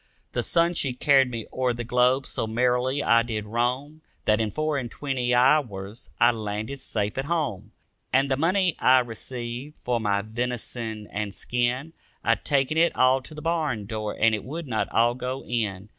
The sun she carried me o'er the globe, so merrily I did roam That in four and twenty hours I landed safe at home. And the money I received for my venison and skin, I taken it all to the barn door and it would not all go in.